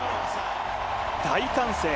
大歓声。